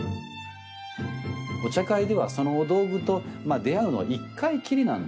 お茶会ではそのお道具とまあ出会うのは一回きりなんですね。